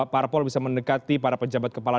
parpol bisa mendekati para pejabat kepala